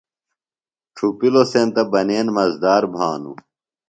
ڇُھپِلوۡ سینتہ بنین مزدار بھانوۡ۔